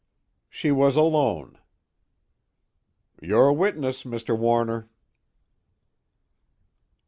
_ "She was alone." "Your witness, Mr. Warner."